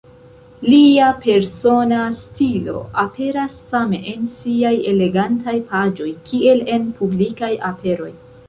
Lia persona stilo aperas same en siaj elegantaj paĝoj kiel en publikaj aperoj.